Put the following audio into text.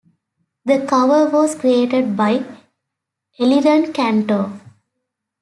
The cover was created by Eliran Kantor.